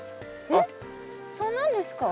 えっそうなんですか？